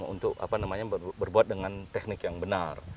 untuk berbuat dengan teknik yang benar